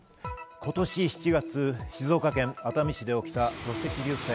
今年７月、静岡県熱海市で起きた土石流災害。